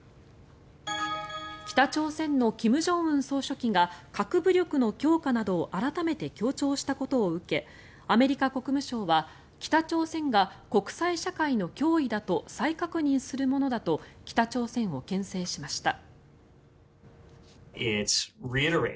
北朝鮮の金正恩総書記が核武力の強化などを改めて強調したことを受けアメリカ国務省は北朝鮮が国際社会の脅威だと再確認するものだと北朝鮮をけん制しました。